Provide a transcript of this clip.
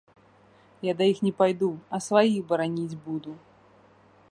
Я да іх не пайду, а сваіх бараніць буду.